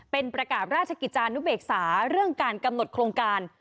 เป็นประกาศราชกิจจานุเบกษาเรื่องการกำหนดโครงการ